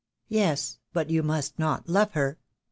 Yes, but you must not love her.